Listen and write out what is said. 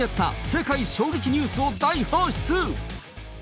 世界衝撃ニュースを大放出。